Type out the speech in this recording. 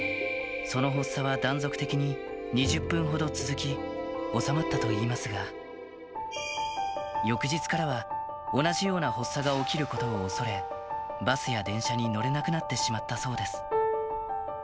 その発作は断続的に２０分ほど続き、治まったといいますが、翌日からは同じような発作が起きることを恐れ、バスや電車に乗れなくなってしまったそうです。